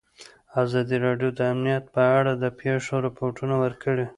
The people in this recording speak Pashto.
ازادي راډیو د امنیت په اړه د پېښو رپوټونه ورکړي.